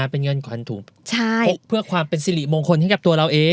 เป็นเงินขวัญถุงเพื่อความเป็นสิริมงคลให้กับตัวเราเอง